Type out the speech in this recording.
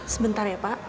sebentar ya pak